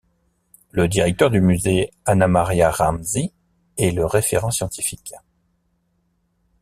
Le directeur du musée Annamaria Ranzi est le référent scientifique.